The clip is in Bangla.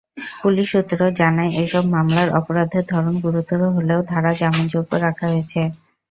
পুলিশ সূত্র জানায়, এসব মামলায় অপরাধের ধরন গুরুতর হলেও ধারা জামিনযোগ্য রাখা হয়েছে।